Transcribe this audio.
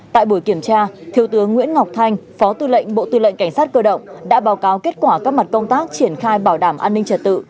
tại buổi kiểm tra thiếu tướng nguyễn ngọc thanh phó tư lệnh bộ tư lệnh cảnh sát cơ động đã báo cáo kết quả các mặt công tác triển khai bảo đảm an ninh trật tự